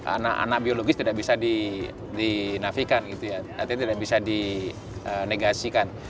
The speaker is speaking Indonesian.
anak anak biologis tidak bisa dinafikan tidak bisa dinegasikan